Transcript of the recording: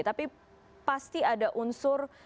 tapi pasti ada unsur